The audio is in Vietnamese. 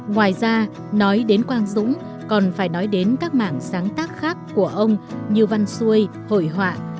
ngoài ra nói đến quang dũng còn phải nói đến các mảng sáng tác khác của ông như văn xuôi hội họa